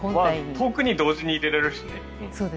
遠くでも同時に出られるしね。